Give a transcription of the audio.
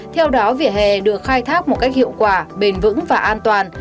theo đó vỉa hè được khai thác một cách hiệu quả bền vững và an toàn